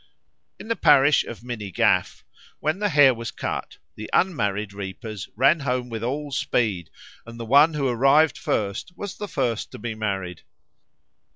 In the parish of Minnigaff, when the Hare was cut, the unmarried reapers ran home with all speed, and the one who arrived first was the first to be married.